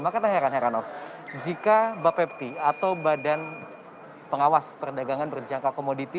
maka tak heran heranov jika bapepti atau badan pengawas perdagangan berjangka komoditi